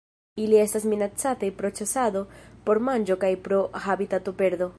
Ili estas minacataj pro ĉasado por manĝo kaj pro habitatoperdo.